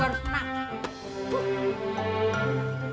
kalian jangan digunakan